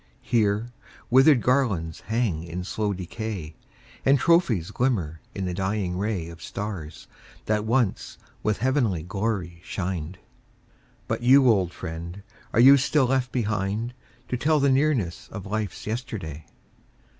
Here, withered garlands hang in slow decay. And trophies glimmer in the dying ray Of stars that once with heavenly glory shined. 280 THE FALLEN But you, old friend, are you still left behind To tell the nearness of life's yesterday?